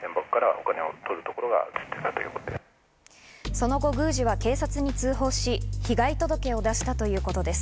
その後、宮司は警察に通報し、被害届を出したといいます。